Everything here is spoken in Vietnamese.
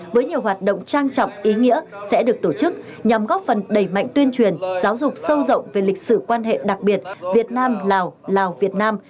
với nhiều hoạt động trang trọng ý nghĩa sẽ được tổ chức nhằm góp phần đẩy mạnh tuyên truyền giáo dục sâu rộng về lịch sử quan hệ đặc biệt việt nam lào lào việt nam